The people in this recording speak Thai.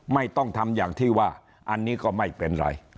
ไม่ต้องทำอย่างที่ว่าอันนี้ก็ไม่เป็นไร